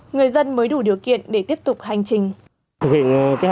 người dân mới đủ điều kiện để tiếp tục hành trình